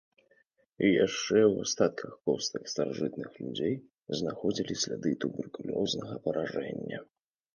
Яшчэ ў астатках костак старажытных людзей знаходзілі сляды туберкулёзнага паражэння.